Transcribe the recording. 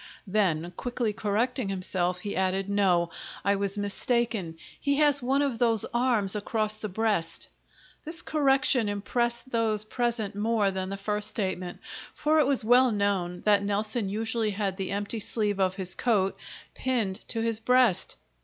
Then, quickly correcting himself, he added: "No, I was mistaken, he has one of his arms across his breast." This correction impressed those present more than the first statement, for it was well known that Nelson usually had the empty sleeve of his coat pinned to his breast.